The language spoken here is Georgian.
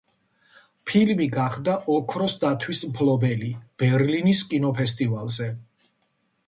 ფილმი გახდა ოქროს დათვის მფლობელი ბერლინის კინოფესტივალზე.